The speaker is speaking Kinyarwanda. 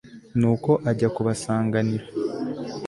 nuko ajya kubasanganira